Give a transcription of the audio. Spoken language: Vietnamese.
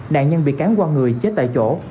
nạn nhân bị cán qua người chết tại chỗ